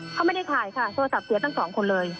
เขาไม่ได้ถ่ายค่ะโทรศัพท์เสียทั้งสองคนเลย